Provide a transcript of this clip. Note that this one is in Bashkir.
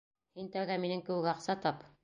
Һин тәүҙә минең кеүек аҡса тап.